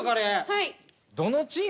はい。